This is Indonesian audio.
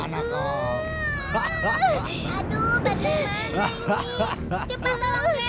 lari kemana tom